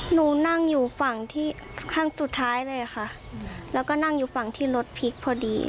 หนูนั่งอยู่ฝั่งที่ข้างสุดท้ายเลยค่ะแล้วก็นั่งอยู่ฝั่งที่รถพลิกพอดี